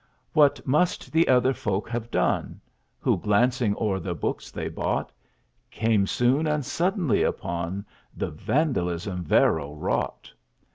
What must the other folk have done Who, glancing o'er the books they bought, Came soon and suddenly upon The vandalism Varro wrought!